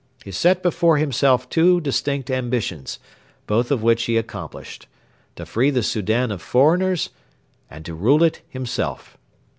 He set before himself two distinct ambitions, both of which he accomplished: to free the Soudan of foreigners, and to rule it himself.